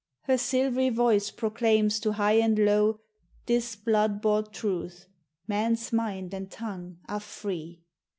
Her silv'ry voice proclaims to high and low This blood bought truth, "man's mind and tongue are free."